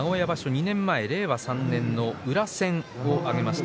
２年前、令和３年の宇良戦を挙げました。